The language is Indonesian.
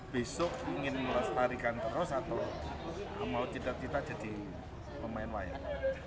besok ingin melestarikan terus atau mau tidak jadi pemain wayang